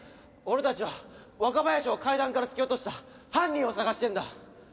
俺たちは若林を階段から突き落とした犯人を捜してんだ！